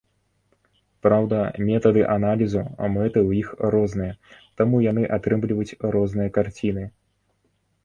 Праўда, метады аналізу, мэты ў іх розныя, таму яны атрымліваюць розныя карціны.